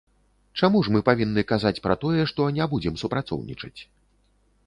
Чаму ж мы павінны казаць пра тое, што не будзем супрацоўнічаць?